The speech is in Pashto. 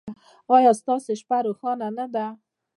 ایا ستاسو شپه روښانه نه ده؟